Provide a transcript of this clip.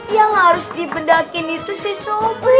yang harus dibedakin itu si sobri